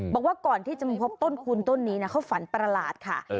บอกว่าก่อนที่จะมาพบต้นคูณต้นนี้นะเขาฝันประหลาดค่ะ